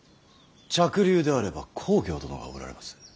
嫡流であれば公暁殿がおられます。